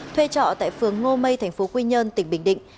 thuê trọ tại phường ngô mây thành phố quy nhơn tỉnh bình định